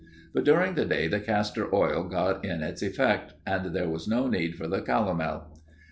But during the day the castor oil got in its effect and there was no need for the calomel.